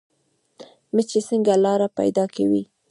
مچۍ څنګه لاره پیدا کوي؟